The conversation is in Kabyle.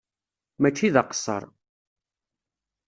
Mačči d aqeṣṣeṛ.